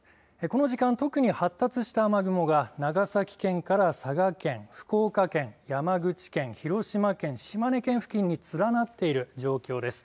この時間、特に発達した雨雲が長崎県から佐賀県福岡県、山口県広島県、島根県付近に連なっている状況です。